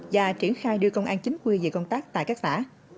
và triển khai đưa công an chính quy về công tác tại các xã